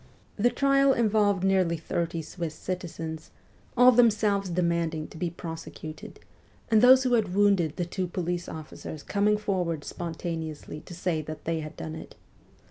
The trial involved nearly thirty Swiss citizens, all themselves demanding to be prosecuted, and those who had wounded the two police officers coming forward spontaneously to say that they had done it.